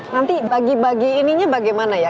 nanti bagi bagi ininya bagaimana ya